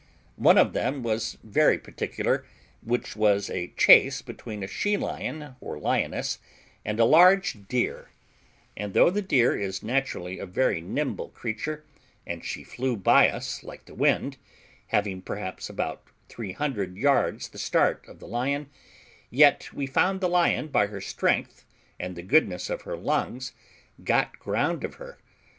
One of them was very particular, which was a chase between a she lion, or lioness, and a large deer; and though the deer is naturally a very nimble creature, and she flew by us like the wind, having, perhaps, about 300 yards the start of the lion, yet we found the lion, by her strength, and the goodness of her lungs, got ground of her.